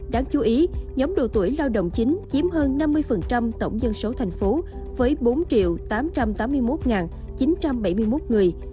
đáng chú ý nhóm đồ tuổi lao động chính chiếm hơn năm mươi tổng dân số thành phố với bốn tám trăm tám mươi một chín trăm bảy mươi một người